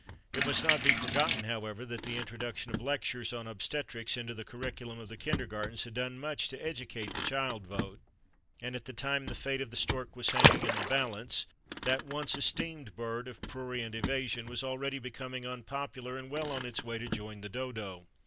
It must not be forgotten, however, that the introduction of lectures on obstetrics into the curriculum of the kindergartens had done much to educate the child vote and that at the time the fate of the Stork was hanging in the balance, that once esteemed Bird of Prurient Evasion was already becoming unpopular and well on its way to join the Dodo.